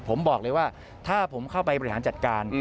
ผมบอกเลยว่าถ้าผมเข้าไปบริหารจัดการ